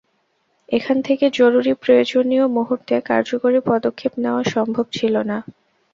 এখান থেকে জরুরি প্রয়োজনী মুহূর্তে কার্যকরী পদক্ষেপ নেওয়া সম্ভব ছিল না।